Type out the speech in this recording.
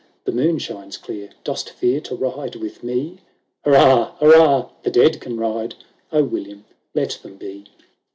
— The moon shines clear ;— Dost fear to ride with me ?— Hurrah ! hurrah ! The dead can ride !" "O William, let them be